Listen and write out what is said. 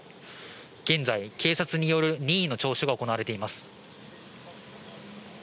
現在、警察による任意の聴取が行われています。